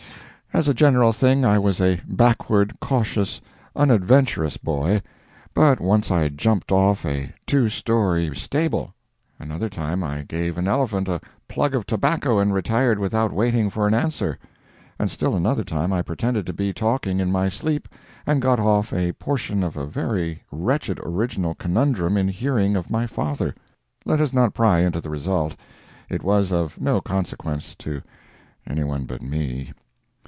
As a general thing I was a backward, cautious, unadventurous boy; but once I jumped off a two story stable; another time I gave an elephant a "plug" of tobacco and retired without waiting for an answer; and still another time I pretended to be talking in my sleep, and got off a portion of a very wretched original conundrum in hearing of my father. Let us not pry into the result; it was of no consequence to anyone but me.